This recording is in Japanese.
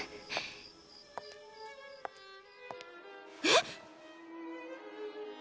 えっ？